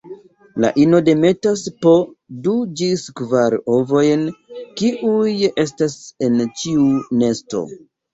La ino demetas po du ĝis kvar ovojn kiuj estas en ĉiu nesto.